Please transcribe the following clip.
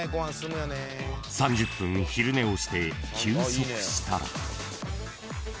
［３０分昼寝をして休息したら］